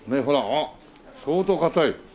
あっ相当硬いよ。